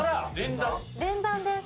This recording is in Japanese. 連弾です。